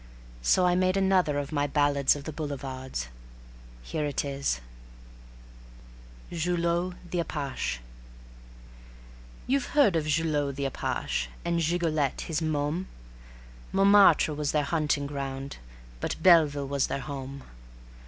So I made another of my Ballads of the Boulevards. Here it is: Julot the Apache You've heard of Julot the apache, and Gigolette, his môme. ... Montmartre was their hunting ground, but Belville was their home.